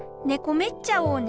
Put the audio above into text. めっちゃおうね。